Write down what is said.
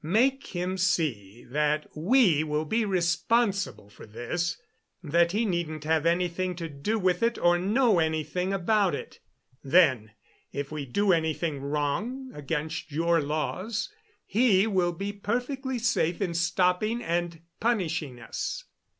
Make him see that we will be responsible for this that he needn't have anything to do with it or know anything about it. Then, if we do anything wrong against your laws, he will be perfectly safe in stopping and punishing us."